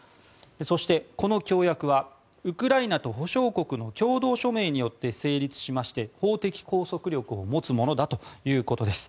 そしてこの協約はウクライナと保証国の共同署名によって成立しまして法的拘束力を持つものだということです。